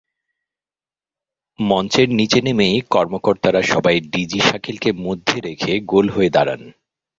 মঞ্চের নিচে নেমেই কর্মকর্তারা সবাই ডিজি শাকিলকে মধ্যে রেখে গোল হয়ে দাঁড়ান।